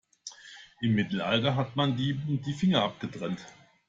Im Mittelalter hat man Dieben die Finger abgetrennt.